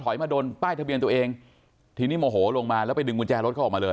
มาโดนป้ายทะเบียนตัวเองทีนี้โมโหลงมาแล้วไปดึงกุญแจรถเขาออกมาเลย